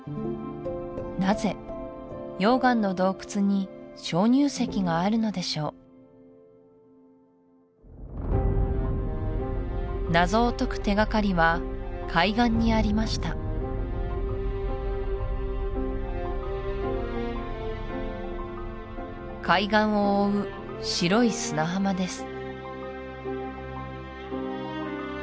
なぜ溶岩の洞窟に鍾乳石があるのでしょう謎を解く手がかりは海岸にありました海岸を覆う白い砂浜です